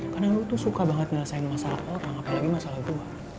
karena lo tuh suka banget ngerasain masalah orang apalagi masalah lo